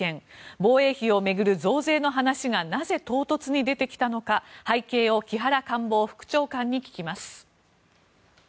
防衛費を巡る増税の話がなぜ唐突に出てきたのか背景を木原官房副長官に聞きます。